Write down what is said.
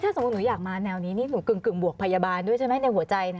สมมุติหนูอยากมาแนวนี้นี่หนูกึ่งบวกพยาบาลด้วยใช่ไหมในหัวใจนะ